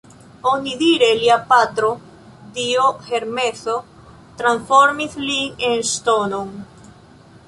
Onidire lia patro, dio Hermeso transformis lin en ŝtonon.